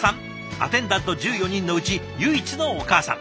アテンダント１４人のうち唯一のお母さん。